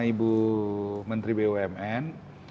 ibu menteri bumn